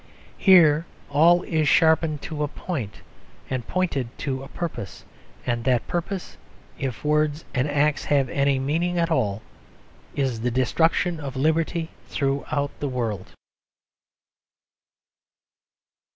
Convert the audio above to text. Here all is sharpened to a point and pointed to a purpose and that purpose, if words and acts have any meaning at all, is the destruction of liberty throughout the world.